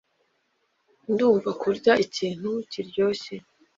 Ndumva kurya ikintu kiryoshye.